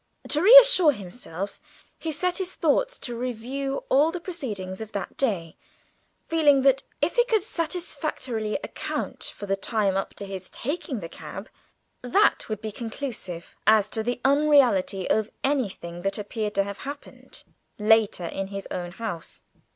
To reassure himself he set his thoughts to review all the proceedings of that day, feeling that if he could satisfactorily account for the time up to his taking the cab, that would be conclusive as to the unreality of any thing that appeared to have happened later in his own house.